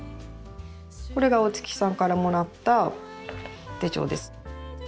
これが大月さんからもらった手帳です。